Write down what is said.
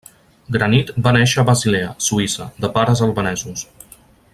Granit va néixer a Basilea, Suïssa, de pares albanesos.